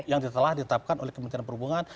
yang telah ditetapkan oleh kementerian perhubungan